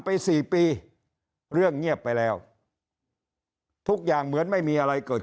สี่ปีเรื่องเงียบไปแล้วทุกอย่างเหมือนไม่มีอะไรเกิด